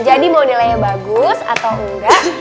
jadi mau nilainya bagus atau enggak